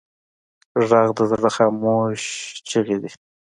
غږ د زړه خاموش چیغې دي